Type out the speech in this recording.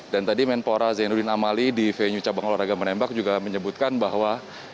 dan tadi menpora zainuddin amali di venue cabang olahraga menembak juga menyebutkan bahwa